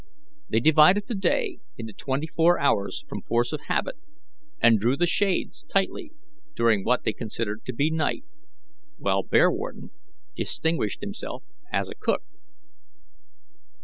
They divided the day into twenty four hours from force of habit, and drew the shades tightly during what they considered night, while Bearwarden distinguished himself as a cook.